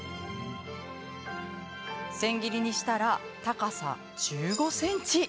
千切りにしたら高さ１５ｃｍ。